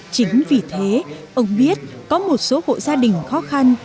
chính vì thế ông biết có một số hộ gia đình khó khăn